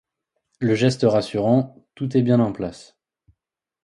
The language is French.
Le geste rassurant : tout est bien en place.